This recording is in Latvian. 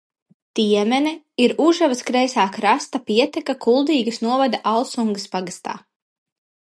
Tiemene ir Užavas kreisā krasta pieteka Kuldīgas novada Alsungas pagastā.